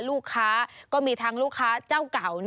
ลูกค้าก็มีทั้งลูกค้าเจ้าเก่า